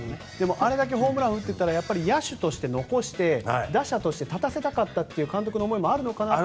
あれだけホームランを打ってたら野手として残して打者として立たせたかった監督の思いもあるのかなと。